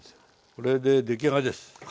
これで出来上がりです！